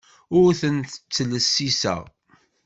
Ur ten-ttlessiseɣ.